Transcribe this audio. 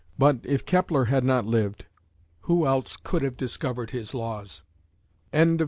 But, if Kepler had not lived, who else could have discovered his Laws?" APPENDIX I.